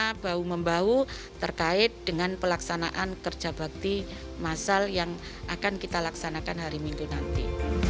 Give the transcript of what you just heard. karena bau membau terkait dengan pelaksanaan kerja bakti masal yang akan kita laksanakan hari minggu nanti